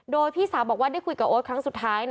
โดยพี่สาวบอกว่าได้คุยกับโอ๊ตครั้งสุดท้าย